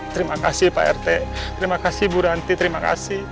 terima kasih pak rt terima kasih bu ranti terima kasih